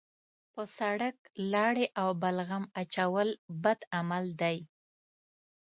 په سړک لاړې او بلغم اچول بد عمل دی.